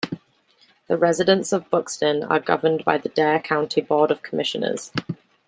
The residents of Buxton are governed by the Dare County Board of Commissioners.